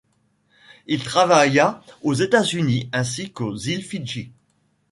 Il travailla aux États-Unis ainsi qu’aux îles Fidji.